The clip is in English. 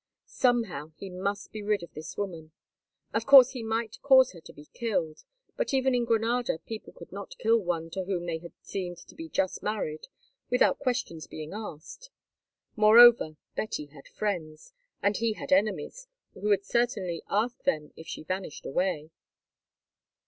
Somehow he must be rid of this woman. Of course he might cause her to be killed; but even in Granada people could not kill one to whom they had seemed to be just married without questions being asked. Moreover, Betty had friends, and he had enemies who would certainly ask them if she vanished away.